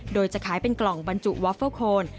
โดยจะขายเป็นกล่องบรรจุวอฟเฟอร์โคน